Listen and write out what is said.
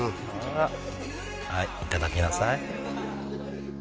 あらはいいただきなさい